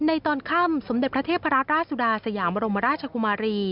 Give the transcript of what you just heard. ในตอนข้ามสมเด็จพระเทพราตรราสุดาสยามบรมราชกุมารี